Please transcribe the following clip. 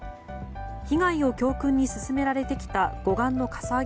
被害を教訓に進められてきた護岸のかさ上げ